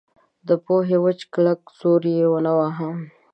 د پوهې وچ کلک زور یې نه واهه.